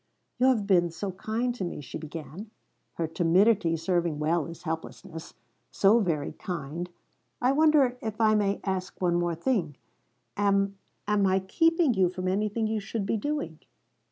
"You have been so kind to me," she began, her timidity serving well as helplessness, "so very kind. I wonder if I may ask one thing more? Am am I keeping you from anything you should be doing?"